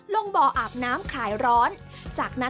ลงบ่ออาบน้ำขายร้อน